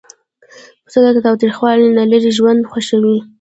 پسه د تاوتریخوالي نه لیرې ژوند خوښوي.